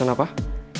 iya kak silahkan